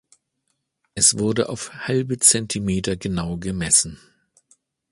Es wurde auf halbe Zentimeter genau gemessen.